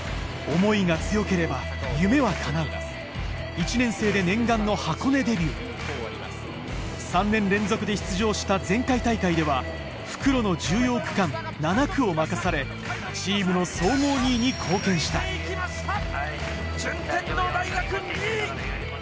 １年生で念願の箱根デビュー３年連続で出場した前回大会では復路の重要区間７区を任されチームの総合２位に貢献した順天堂大学２位！